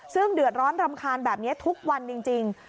ซึ่งเดือดร้อนรำคาญแบบนี้ทุกวันจริง